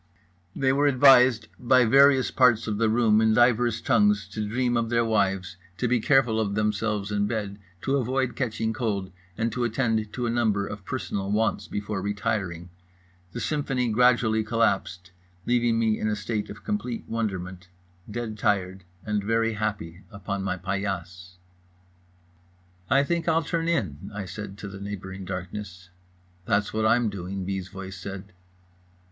They were advised by various parts of the room in divers tongues to dream of their wives, to be careful of themselves in bed, to avoid catching cold, and to attend to a number of personal wants before retiring. The symphony gradually collapsed, leaving me sitting in a state of complete wonderment, dead tired and very happy, upon my paillasse. "I think I'll turn in" I said to the neighbouring darkness. "That's what I'm doing" B.'s voice said.